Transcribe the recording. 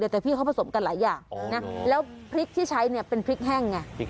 แต่พี่เขาผสมกันหลายอย่างนะแล้วพริกที่ใช้เนี่ยเป็นพริกแห้งไง